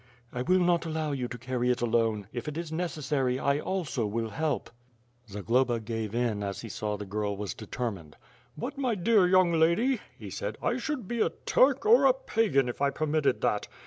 "I will not allow you to carry it alone. If it is necessary, I also will help." Zagloba gave in as he saw the girl was determined. "But my dear young lady," he said, "I should be a Turk, or a Pagan, if I permitted that.